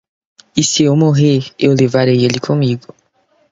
E se eu morrer, eu levarei ele comigo